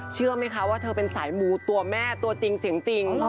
เชื่อไหมคะว่าเธอเป็นสายมูตัวแม่ตัวจริงเสียงจริง